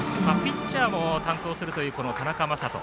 ピッチャーも担当する田中聖人。